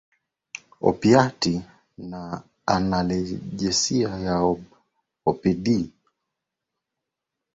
Opiati na analjesi ya opioidi utegemezi wa kiakili kwa dawa za kulevya hafifu